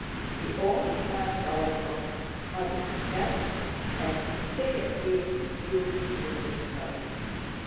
He only heard Dólokhov's hurried steps, and his figure came in view through the smoke.